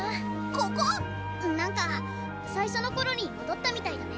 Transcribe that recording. ここ⁉何か最初の頃に戻ったみたいだね。